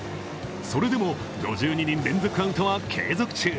それでも５２人連続アウトは継続中。